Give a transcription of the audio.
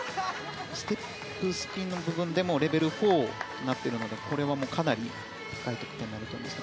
ステップ、スピンの部分でもレベル４になってるのでかなり高い得点になると思います。